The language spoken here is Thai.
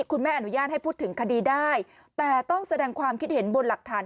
คุณแม่อนุญาตให้พูดถึงคดีได้แต่ต้องแสดงความคิดเห็นบนหลักฐาน